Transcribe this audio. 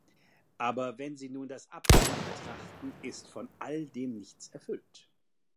Aber wenn Sie nun das Abkommen betrachten, ist von all dem nichts erfüllt.